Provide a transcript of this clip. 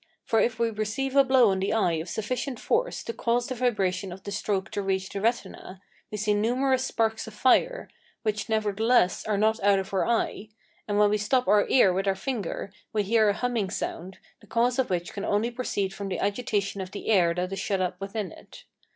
For if we receive a blow on the eye of sufficient force to cause the vibration of the stroke to reach the retina, we see numerous sparks of fire, which, nevertheless, are not out of our eye; and when we stop our ear with our finger, we hear a humming sound, the cause of which can only proceed from the agitation of the air that is shut up within it.